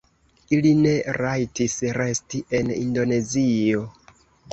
Ili ne rajtis resti en Indonezio.